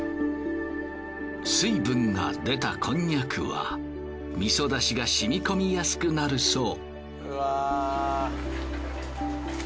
水分が出たこんにゃくはみそ出汁がしみ込みやすくなるそう。